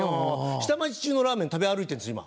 下町中のラーメン食べ歩いてるんです今。